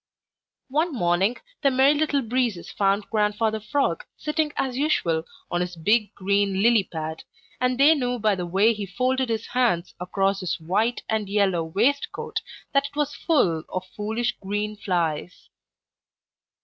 One morning the Merry Little Breezes found Grandfather Frog sitting as usual on his big green lily pad, and they knew by the way he folded his hands across his white and yellow waistcoat that it was full of foolish green flies.